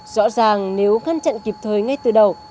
rõ ràng nếu ngăn chặn kịp thời ngay từ đầu